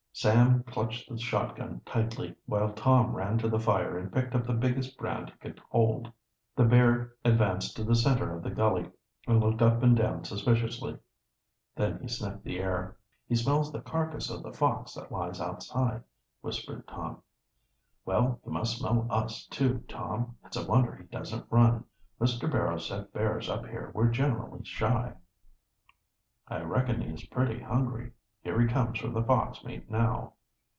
Sam clutched the shotgun tightly, while Tom ran to the fire and picked up the biggest brand he could hold. The bear advanced to the center of the gully and looked up and down suspiciously. Then he sniffed the air. "He smells the carcass of the fox that lies outside," whispered Tom. "Well, he must smell us, too, Tom. It's a wonder he doesn't run. Mr. Barrow said bears up here were generally shy." "I reckon he is pretty hungry. Here he comes for the fox meat now."